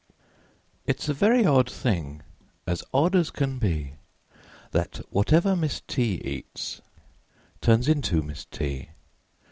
It's a very odd thing As odd as can be That whatever Miss T. eats Turns into Miss T.